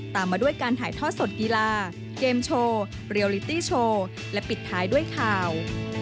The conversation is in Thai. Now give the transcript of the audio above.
มาด้วยการถ่ายทอดสดกีฬาเกมโชว์เรียลลิตี้โชว์และปิดท้ายด้วยข่าว